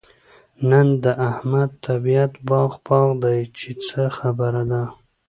نن د احمد طبيعت باغ باغ دی؛ چې څه خبره ده؟